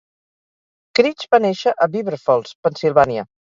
Creach va néixer a Beaver Falls, Pennsylvania.